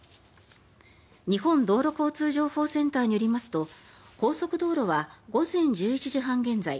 日本道路交通情報センターによりますと高速道路は午前１１時半現在